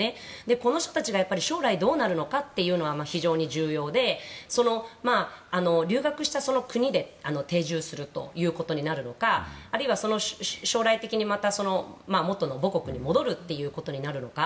この人たちが将来どうなるのかというのが非常に重要で留学したその国に定住することになるのかあるいは、将来的にまた母国に戻ることになるのか。